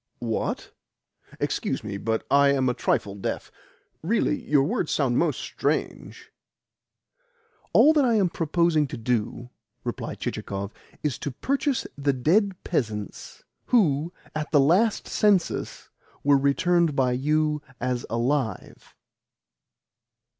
"What? Excuse me, but I am a trifle deaf. Really, your words sound most strange!" "All that I am proposing to do," replied Chichikov, "is to purchase the dead peasants who, at the last census, were returned by you as alive."